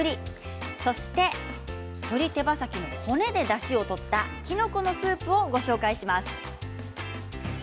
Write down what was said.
そして鶏手羽先の骨でだしを取ったきのこのスープをご紹介します。